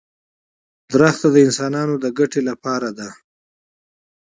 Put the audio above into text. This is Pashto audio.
• ونه د انسانانو د ګټې لپاره ده.